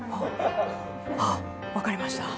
分かりました。